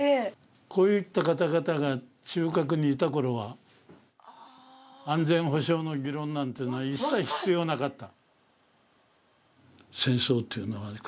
こういった方々が中核にいたころは安全保障の議論なんていうのは一切必要なかった。